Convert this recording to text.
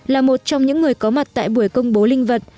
là một trong những người có mặt tại buổi công bố linh vật